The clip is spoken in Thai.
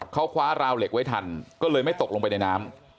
เขาคว้าราวเหล็กไว้ทันก็เลยไม่ตกลงไปในน้ำ